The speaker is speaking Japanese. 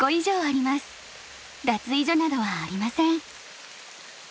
脱衣所などはありません。